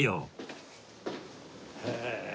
へえ。